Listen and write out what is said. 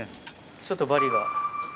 ちょっとバリが。